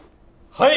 はい！